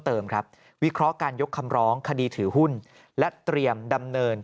เติมครับวิเคราะห์การยกคำร้องคดีถือหุ้นและเตรียมดำเนิน